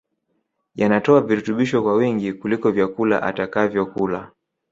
yanatoa virutubisho kwa wingi kuliko vyakula atakavyokula